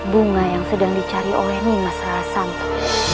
bunga yang sedang dicari oleh nimas rasanto